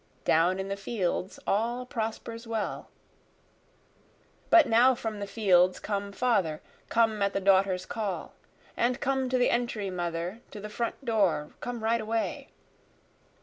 Down in the fields all prospers well, But now from the fields come father, come at the daughter's call. And come to the entry mother, to the front door come right away.